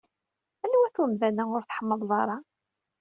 Anwa-t umdan-a ur tḥemmleḍ ara?